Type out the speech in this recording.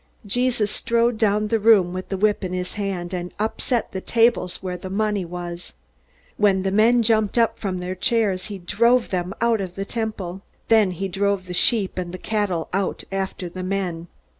Jesus strode down the room with the whip in his hand, and upset the tables where the money was. When the men jumped up from their chairs, he drove them out of the Temple. Then he drove the sheep and the cattle out after the men.